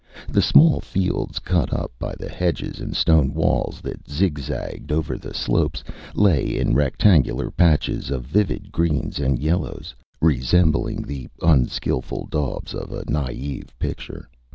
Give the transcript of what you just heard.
The small fields, cut up by hedges and stone walls that zig zagged over the slopes, lay in rectangular patches of vivid greens and yellows, resembling the unskilful daubs of a naive picture.